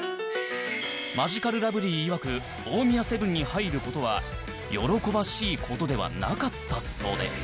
マヂカルラブリーいわく大宮セブンに入る事は喜ばしい事ではなかったそうで